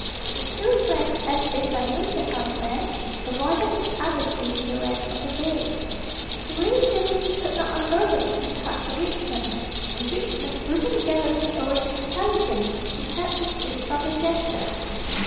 The two friends, as if by mutual consent, avoided each other during the rest of the day Surrey feeling he could not unburden his heart to Richmond, and Richmond brooding jealously over the intelligence he had received from the jester.